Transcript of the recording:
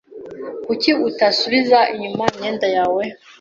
Kuki utasubiza inyuma imyenda yawe?